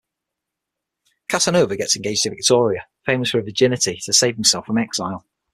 Casanova gets engaged to Victoria, famous for her virginity, to save himself from exile.